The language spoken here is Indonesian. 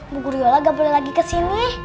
bu guru yola nggak boleh lagi kesini